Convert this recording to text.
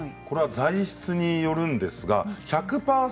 材質によるんですが１００％